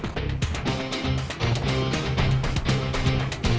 berlangganan untuk dijualan